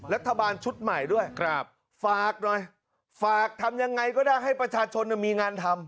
รัฐบาลชุดใหม่ด้วยฝากหน่อยฝากทำยังไงก็ได้ให้ประชาชนมีงานทำ